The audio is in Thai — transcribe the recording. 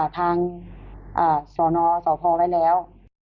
ทางศนและศพอไว้แล้ว